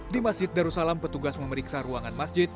di masjid darussalam petugas memeriksa ruangan masjid